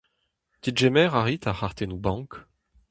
Degemer a rit ar c'hartennoù bank ?